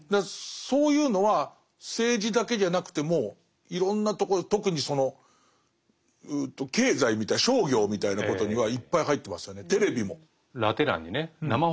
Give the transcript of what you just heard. そういうのは政治だけじゃなくてもいろんなとこ特にその経済みたいな商業みたいなことにはいっぱい入ってますよね。